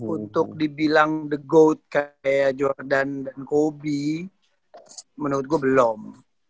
untuk dibilang the god kayak jordan dan hobi menurut gue belum